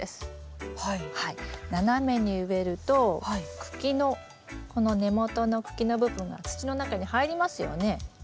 斜めに植えると茎のこの根元の茎の部分が土の中に入りますよね。